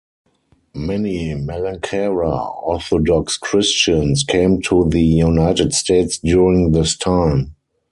Many Malankara Orthodox Christians came to the United States during this time.